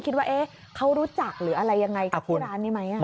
คิดว่าเขารู้จักหรืออะไรยังไงกับที่ร้านนี้ไหม